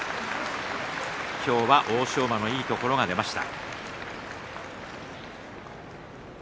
今日は欧勝馬のいいところが出ました。